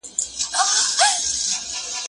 هغه وويل چي لوښي مينځل ضروري دي؟